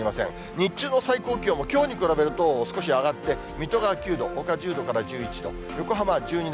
日中の最高気温もきょうに比べると、少し上がって水戸が９度、ほか１０度から１１度。